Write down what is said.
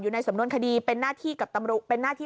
อยู่ในสำนวนคดีเป็นหน้าที่